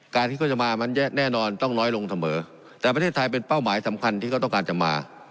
ที่เขาจะมามันแน่นอนต้องน้อยลงเสมอแต่ประเทศไทยเป็นเป้าหมายสำคัญที่เขาต้องการจะมา